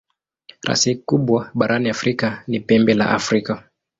Rasi kubwa barani Afrika ni Pembe la Afrika.